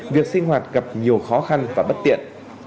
việc sinh hoạt gặp nhiều khó khăn và bất tiện